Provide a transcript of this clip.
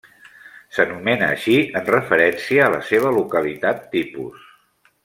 S'anomena així en referència a la seva localitat tipus.